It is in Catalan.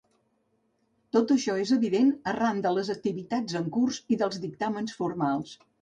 Tot això és evident arran de les activitats en curs i dels dictàmens formals.